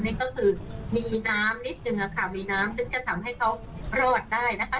นี่ก็คือมีน้ำนิดนึงค่ะมีน้ำซึ่งจะทำให้เขารอดได้นะคะ